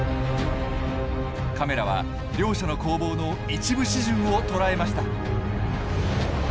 カメラは両者の攻防の一部始終を捉えました！